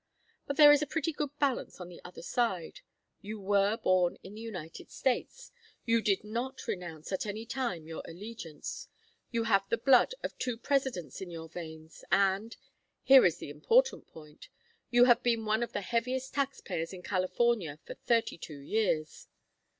But there is a pretty good balance on the other side. You were born in the United States, you did not renounce at any time your allegiance, you have the blood of two Presidents in your veins, and here is the important point: you have been one of the heaviest tax payers in California for thirty two years.